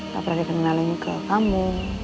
tak pernah dikenalin ke kamu